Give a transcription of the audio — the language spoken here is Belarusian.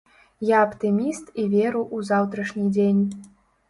Я аптыміст і веру ў заўтрашні дзень.